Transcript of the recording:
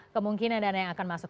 kemungkinan dana yang akan masuk